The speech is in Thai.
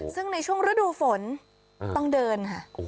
ซึ่งในช่วงฤดูฝนต้องเดินค่ะ